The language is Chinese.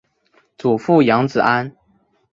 祖父杨子安。